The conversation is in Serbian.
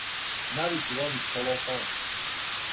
Највише волим Шолохова.